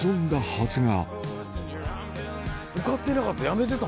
受かってなかったら辞めてた？